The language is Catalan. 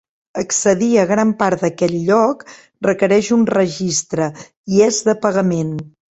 Accedir a gran part d'aquest lloc requereix un registre i és de pagament.